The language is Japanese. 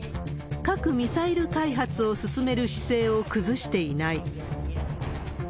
核・ミサイル開発を進める姿勢を崩していない。